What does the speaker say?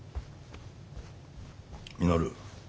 稔。